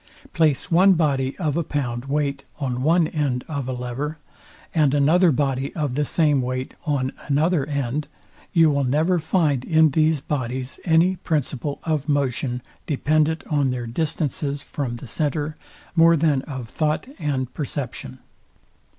Place one body of a pound weight on one end of a lever, and another body of the same weight on another end; you will never find in these bodies any principle of motion dependent on their distances from the center, more than of thought and perception.